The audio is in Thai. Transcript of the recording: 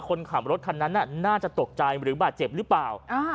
คนขับรถคันนั้นน่าจะตกใจหรือบาดเจ็บหรือเปล่า